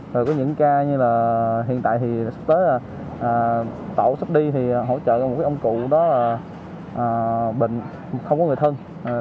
từ có những ca như là hiện tại thì sắp tới là tổ sắp đi thì hỗ trợ một cái ông cụ đó là bệnh không có người thân